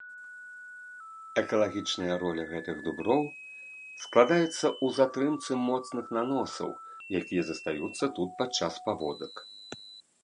Экалагічная роля гэтых дуброў складаецца ў затрымцы моцных наносаў, якія застаюцца тут падчас паводак.